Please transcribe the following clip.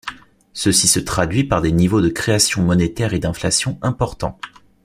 Ceci se traduit par des niveaux de création monétaire et d'inflation importants.